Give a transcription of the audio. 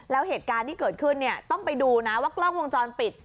แล้วเหตุการณ์ที่เกิดขึ้นเนี่ยต้องไปดูนะว่ากล้องวงจรปิด